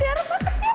tira tira kejirin itu